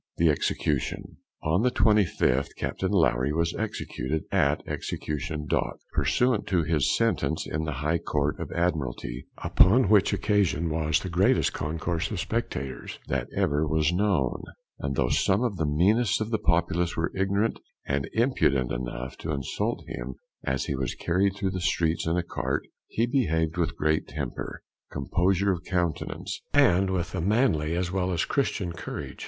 THE EXECUTION. On the 25th Capt. Lowry was executed at Execution Dock, pursuant to his sentence in the High Court of Admiralty, upon which occasion was the greatest concourse of spectators that ever was known; and though some of the meanest of the populace were ignorant and impudent enough to insult him as he was carried through the streets in a cart, he behaved with great temper, composure of countenance, and with a manly as well as Christian courage.